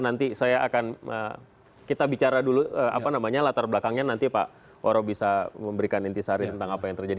nanti saya akan kita bicara dulu apa namanya latar belakangnya nanti pak waro bisa memberikan inti sari tentang apa yang terjadi